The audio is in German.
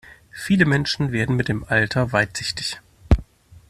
Viele Menschen werden mit dem Alter weitsichtig.